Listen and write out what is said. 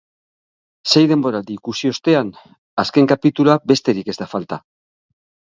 Sei denboraldi ikusi ostean, azken kapitulua besterik ez da falta.